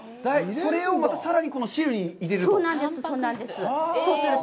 これをまたさらに汁に入れると？